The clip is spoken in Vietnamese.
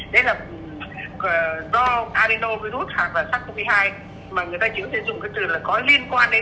đấy là do adenovirus và sars cov hai mà người ta chỉ có thể dùng cái từ là có liên quan đến thôi